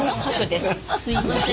すいません。